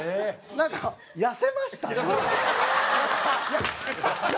なんかえらい痩せましたね？